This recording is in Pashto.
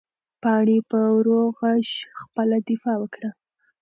پاڼې په ورو غږ خپله دفاع وکړه.